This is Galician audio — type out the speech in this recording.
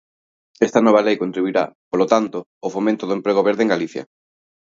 Esta nova lei contribuirá, polo tanto, ao fomento do emprego verde en Galicia.